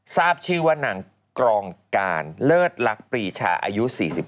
ทราบชื่อว่านางกรองการเลิศลักษรีชาอายุ๔๙